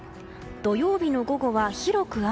土曜日の午後は広く雨。